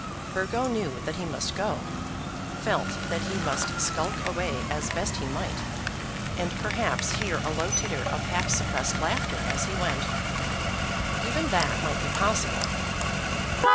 Burgo knew that he must go, felt that he must skulk away as best he might, and perhaps hear a low titter of half suppressed laughter as he went. Even that might be possible.